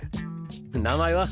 名前は？